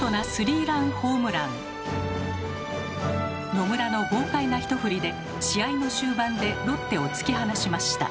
野村の豪快なひと振りで試合の終盤でロッテを突き放しました。